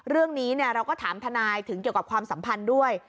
เรื่องนี้เราก็ถามทนายถึงเกี่ยวกับความสัมพันธ์ด้วย